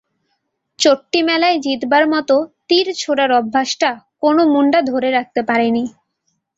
চোট্টি মেলায় জিতবার মতো তীর ছোড়ার অভ্যাসটা কোনো মুন্ডা ধরে রাখতে পারেনি।